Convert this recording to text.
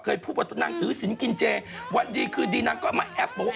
เคยพูดว่านางถือสินกินเจวันดีคือดีนางก็มาแอบบอก